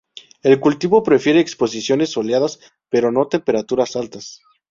En cultivo, prefiere exposiciones soleadas, pero no temperaturas altas.